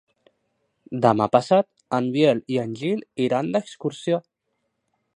Demà passat en Biel i en Gil iran d'excursió.